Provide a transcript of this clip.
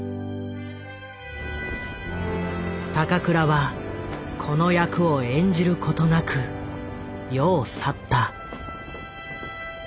高倉はこの役を演じることなく世を去った。